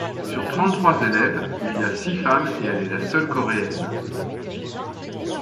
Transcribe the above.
Sur trente-trois élèves, il y a six femmes et elle est la seule Coréenne.